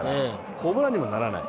ホームランにならない。